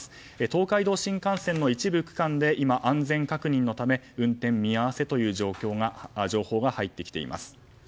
東海道新幹線の一部区間で安全確認のため運転見合わせという情報が入ってきています。